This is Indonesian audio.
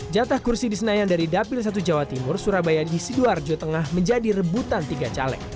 jatah kursi di senayan dari dapil satu jawa timur surabaya di sidoarjo tengah menjadi rebutan tiga caleg